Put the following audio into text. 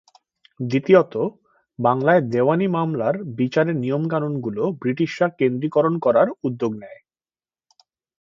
দ্বিতীয়ত, বাংলায় দেওয়ানি মামলার বিচারের নিয়ম-কানুনগুলো ব্রিটিশরা কেন্দ্রীকরণ করার উদ্যোগ নেয়।